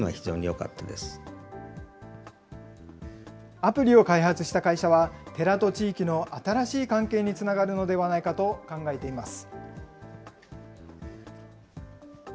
アプリを開発した会社は、寺と地域の新しい関係につながるのではないかと考えています。